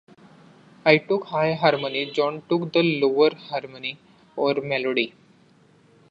I took the high harmony, John took the lower harmony or melody.